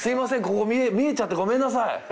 ここ見えちゃってごめんなさい。